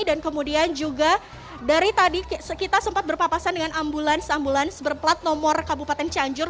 kemudian juga dari tadi kita sempat berpapasan dengan ambulans ambulans berplat nomor kabupaten cianjur